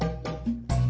aku mau berbual